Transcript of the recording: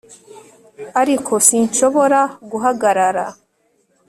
ariko sinshobora guhagarara